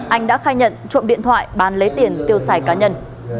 anh đã khai nhận trộm điện thoại bán lấy tiền tiêu xài cá nhân